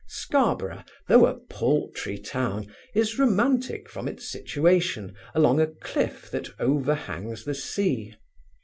Scarborough, though a paltry town, is romantic from its situation along a cliff that over hangs the sea.